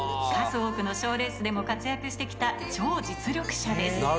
数多くの賞レースでも活躍して来た超実力者です。